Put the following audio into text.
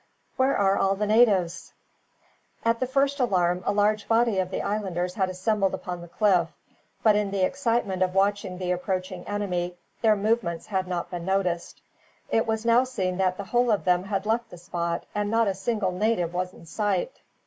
Where are all the natives?" At the first alarm a large body of the islanders had assembled upon the cliff, but in the excitement of watching the approaching enemy, their movements had not been noticed. It was now seen that the whole of them had left the spot, and not a single native was in sight.